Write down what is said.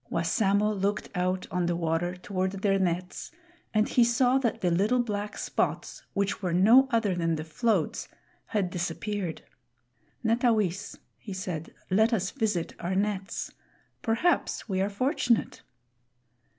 Wassamo looked out on the water toward their nets, and he saw that the little black spots, which were no other than the floats, had disappeared. "Netawis," he said, "let us visit our nets; perhaps we are fortunate."